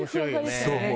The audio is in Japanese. そう。